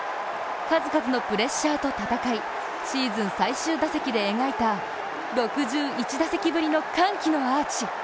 数々のプレッシャーと戦い、シーズン最終打席で描いた６１打席ぶりの歓喜のアーチ。